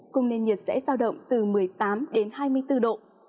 cùng nền nhiệt sẽ giao động từ một mươi tám đến hai mươi bốn độ